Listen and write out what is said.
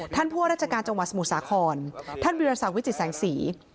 ท่านผู้ราชการจังหวัดสมุทรสาครท่านวิทยาศาสตร์วิจิแสงสี